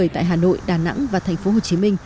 tại hà nội đà nẵng và tp hcm